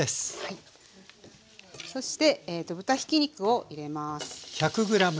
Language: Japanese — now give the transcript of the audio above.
そして豚ひき肉を入れます。